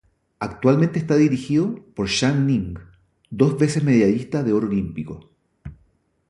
Actualmente está dirigida por Zhang Ning, dos veces medallista de oro olímpico.